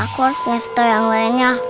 aku harus nge store yang lainnya